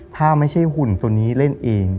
ถ้าไม่ใช่หุ่นตัวนี้เล่นเอง